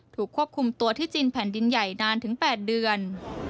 ถูกควบคุมตัวที่จีนแผ่นดินใหญ่นานถึง๘เดือน